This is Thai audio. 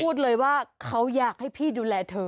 พูดเลยว่าเขาอยากให้พี่ดูแลเธอ